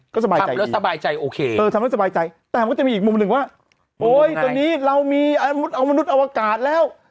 ก็สบายใจอีกเออทำแล้วสบายใจแต่มันก็จะมีอีกมุมหนึ่งว่าโอ๊ยตอนนี้เรามีเอามนุษย์เอาอากาศแล้ว